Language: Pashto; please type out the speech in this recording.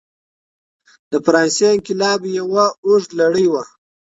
د فرانسې انقلاب یوه اوږده لړۍ وه.